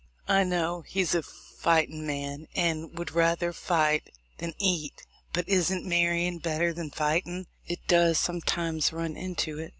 I know he's a fightin' man, and would rather fight than eat; but isn't marryin' better than fighting though it does sometimes run in to it?